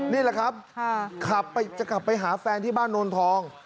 นี่แหละครับขับจะกลับไปหาแฟนที่บ้านโนนทอง